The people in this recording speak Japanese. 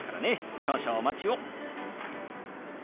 少々お待ちを。